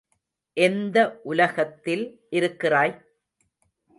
எந்த உலகத்தில் இருக்கிறாய்?